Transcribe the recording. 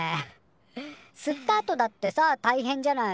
吸ったあとだってさたいへんじゃない。